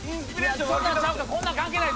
こんなん関係ない！